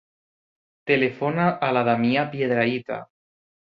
Telefona a la Damià Piedrahita.